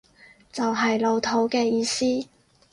就係老土嘅意思